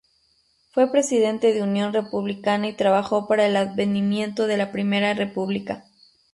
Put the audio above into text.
Fue presidente de Unión Republicana y trabajó para el advenimiento de la primera república.